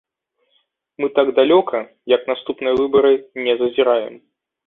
Мы так далёка, як наступныя выбары, не зазіраем.